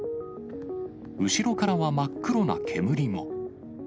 後ろからは真っ黒な煙も。